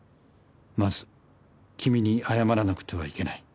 「まず君に謝らなくてはいけない」